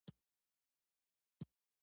افغانستان په کندهار باندې پوره تکیه لري.